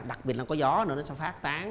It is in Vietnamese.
đặc biệt là có gió nó sẽ phát tán